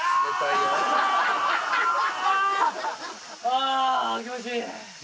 ああ気持ちいい！